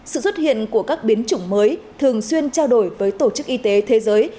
sự xuất hiện của các biến chủng mới thường xuyên trao đổi với tổ chức y tế thế giới